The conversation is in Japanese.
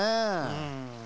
うん。